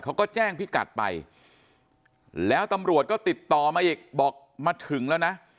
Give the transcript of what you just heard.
เขาก็แจ้งพิกัดไปแล้วตำรวจก็ติดต่อมาอีกบอกมาถึงแล้วนะ